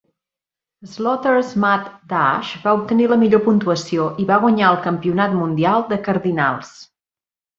"Slaughter's Mad Dash" va obtenir la millor puntuació i va guanyar el campionat mundial de Cardinals.